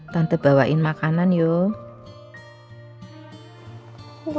tante bawain makanan yuk